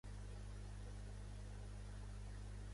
Cuttack es coneix com la capital comercial d'Odisha.